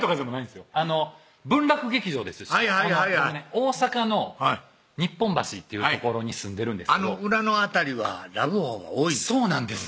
大阪の日本橋っていう所に住んでるんですけどあの裏の辺りはラブホが多いそうなんです